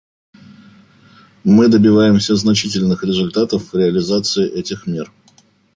Мы добиваемся значительных результатов в реализации этих мер.